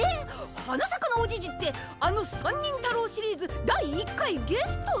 花さかのおじじってあの三人太郎シリーズ第１回ゲストの？